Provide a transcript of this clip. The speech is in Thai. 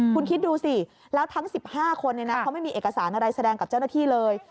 คุณคิดดูสิแล้วทั้ง๑๕คนเขาไม่มีเอกสารอะไรแสดงกับเจ้าหน้าที่เลย